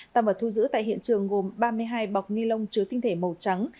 tăng vật thu giữ tại hiện trường gồm ba mươi hai bọc ni lông chứa tinh thể màu trắng